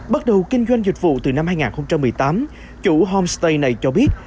bắt đầu kinh doanh dịch vụ từ năm hai nghìn một mươi tám chủ homestay này cho biết